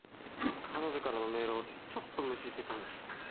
彼女からのメールをちょっと無視してたんです。